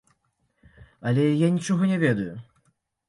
Але я нічога не ведаю.